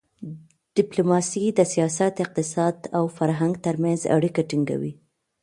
ډیپلوماسي د سیاست، اقتصاد او فرهنګ ترمنځ اړیکه ټینګوي.